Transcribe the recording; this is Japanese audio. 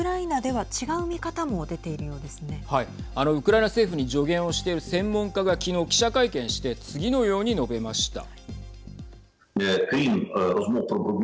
ウクライナ政府に助言をしている専門家は昨日、記者会見して次のように述べました。